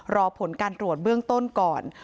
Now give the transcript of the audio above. รอผลการตรวจเบื้องต้นก่อน